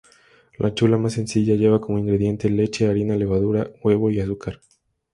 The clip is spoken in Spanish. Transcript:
La chula más sencilla, lleva como ingredientes leche, harina, levadura, huevo y azúcar.